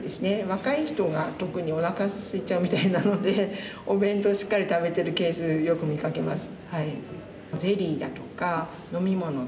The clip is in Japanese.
若い人が特におなかすいちゃうみたいなのでお弁当をしっかり食べてるケースよく見かけます。